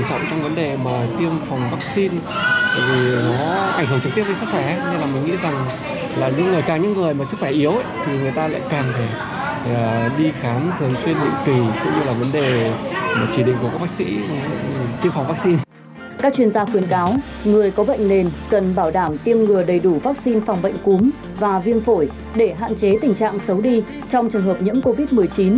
các chuyên gia khuyến cáo người có bệnh nền cần bảo đảm tiêm ngừa đầy đủ vaccine phòng bệnh cúm và viêm phổi để hạn chế tình trạng xấu đi trong trường hợp những covid một mươi chín